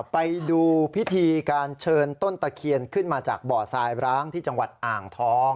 ไปดูพิธีการเชิญต้นตะเคียนขึ้นมาจากบ่อทรายร้างที่จังหวัดอ่างทอง